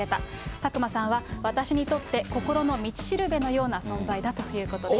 佐久間さんは、私にとって心の道しるべのような存在だということです。